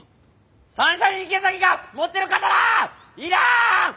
サンシャイン池崎が持ってる刀いらん！